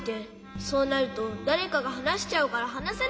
そうなるとだれかがはなしちゃうからはなせないんだ。